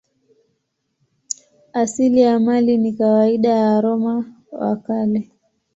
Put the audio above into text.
Asili ya maili ni kawaida ya Waroma wa Kale.